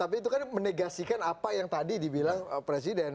tapi itu kan menegasikan apa yang tadi dibilang presiden